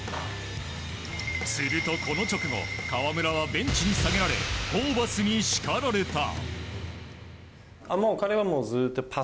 すると、この直後河村はベンチに下げられホーバスに叱られた。